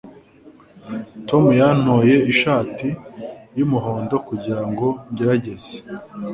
Tom yantoye ishati yumuhondo kugirango ngerageze.